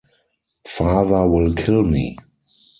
Father will kill me.